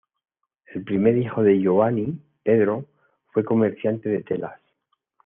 El primer hijo de Giovanni, Pedro, fue comerciante de telas.